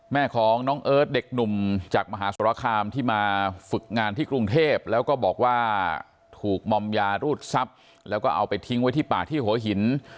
แม่ของน้องเอิร์ทเด็กหนุ่มจากมหาสรคามที่มาฝึกงานที่กรุงเทพแล้วก็บอกว่าถูกมอมยารูดทรัพย์แล้วก็เอาไปทิ้งไว้ที่ป่าที่หัวหิน